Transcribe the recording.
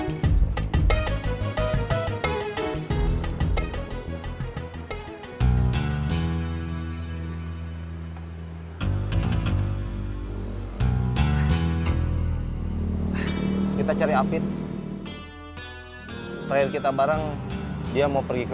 itors dan keluarga i hilarious dari que lan sul mad genial senciom engine